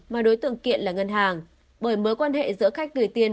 mà đối tượng kiện là ngân hàng bởi mối quan hệ giữa khách gửi tiền